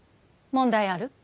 問題ある？